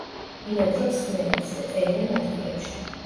ბინადრობს ხმელეთზე, ტენიან ადგილებში.